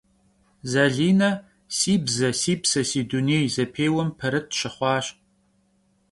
Zaline «Si bze - si pse, si dunêy» zepêuem perıt şıxhuaş.